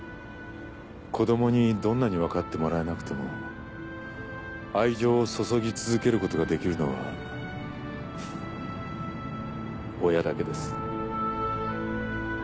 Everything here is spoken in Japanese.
子供にどんなにわかってもらえなくても愛情を注ぎ続けることが出来るのは親だけです。